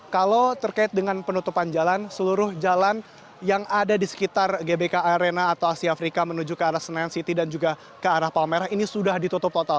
kalau terkait dengan penutupan jalan seluruh jalan yang ada di sekitar gbk arena atau asia afrika menuju ke arah senayan city dan juga ke arah palmerah ini sudah ditutup total